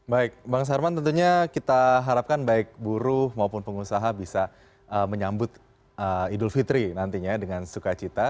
baik bang sarman tentunya kita harapkan baik buruh maupun pengusaha bisa menyambut idul fitri nantinya dengan sukacita